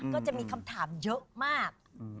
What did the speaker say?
ก็จะมีคำถามเยอะมาก